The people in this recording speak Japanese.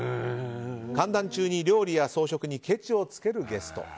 歓談中に料理や装飾にケチをつけるゲスト。